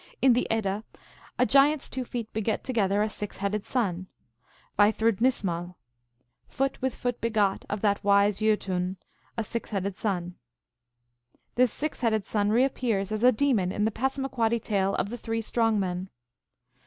In the Edda, a giant s two feet beget together a six headed son (Vafthrudnismal) :" Foot with foot begot Of that wise Jottm, A six headed son." This six headed son reappears as a demon in the Passamaquoddy tale of the Three Strong Men.